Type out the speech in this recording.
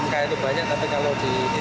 kendala utama memang ini